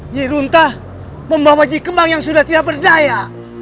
nyiruntar membawa nyikembang yang sudah tidak berdaya